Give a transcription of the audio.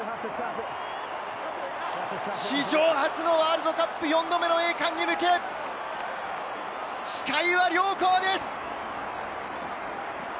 史上初のワールドカップ４度目の栄冠に向け、視界は良好です。